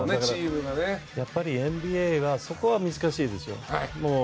やっぱりＮＢＡはそこは難しいです。